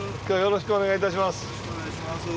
きょうはよろしくお願いいたします。